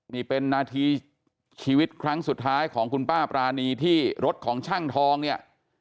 นี่เป็นนาทีชีวิตครั้งสุดท้ายของคุณป้าปรานีที่รถของช่างทองเนี่ย